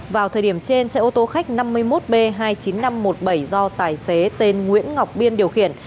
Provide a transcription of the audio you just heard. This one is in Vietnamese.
vào thời điểm trên xe ô tô khách năm mươi một b hai mươi chín nghìn năm trăm một mươi bảy do tài xế tên nguyễn ngọc biên điều khiển